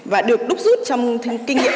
và được đúc rút trong kinh nghiệm